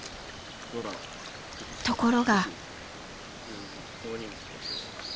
ところが。